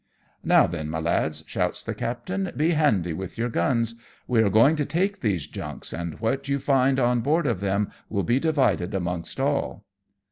"Now then, my lads," shouts the captain, "be handy with your guns. We are going to take these junks, and what you find on board of them will be divided amongst all.